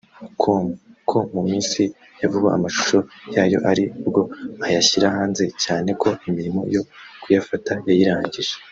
com ko mu minsi ya vuba amashusho yayo ari bwo ayashyira hanze cyane ko imirimo yo kuyafata yayirangije